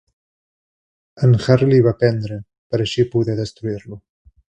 En Harry l'hi va prendre per a així poder destruir-lo.